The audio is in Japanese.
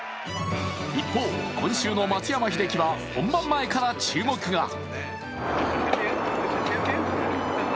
一方、今週の松山英樹は本番前から注目が。